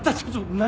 何？